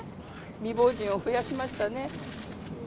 未亡人を増やしましたね。